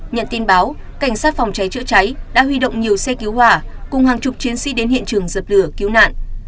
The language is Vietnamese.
nhận tin báo cảnh sát phòng cháy chữa cháy đã huy động nhiều xe cứu hỏa cùng hàng chục chiến sĩ đến hiện trường dập lửa cứu nạn